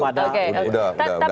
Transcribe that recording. oke udah udah ngerti